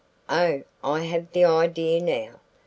Oh, I have the idea now.